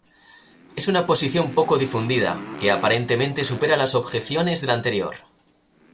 Es una posición poco difundida, que aparentemente supera las objeciones de la anterior.